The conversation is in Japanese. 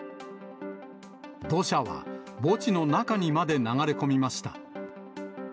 土砂は墓地の中にまで流れ込みました。